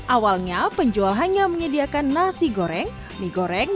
awalnya penjual hanya menyediakan nasi goreng mie goreng